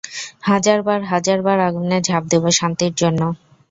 হাজার বার, হাজার বার আগুনে ঝাঁপ দেব, শান্তির জন্য।